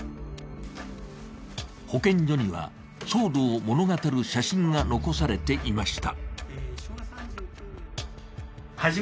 保健所には、騒動を物語る写真が残されていました。